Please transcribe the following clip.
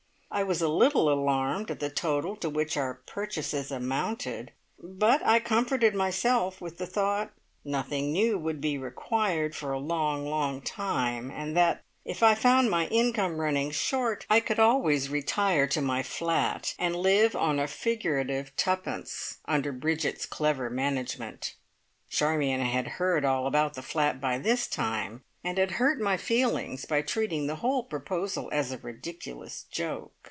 I was a little alarmed at the total to which our purchases amounted; but I comforted myself with the thought, nothing new would be required for a long, long time, and that, if I found my income running short, I could always retire to my flat, and live on a figurative twopence under Bridget's clever management. Charmion had heard all about the flat by this time, and had hurt my feelings by treating the whole proposal as a ridiculous joke.